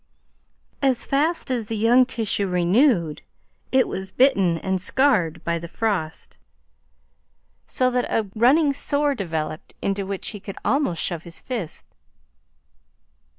As fast as the young tissue renewed, it was bitten and scared by the frost, so that a running sore developed, into which he could almost shove his fist.